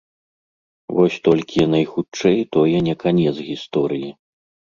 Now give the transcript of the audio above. Вось толькі, найхутчэй, тое не канец гісторыі.